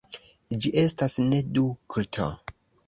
Ĝi estas ne dukto.